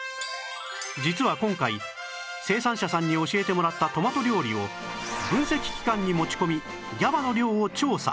実は今回生産者さんに教えてもらったトマト料理を分析機関に持ち込み ＧＡＢＡ の量を調査。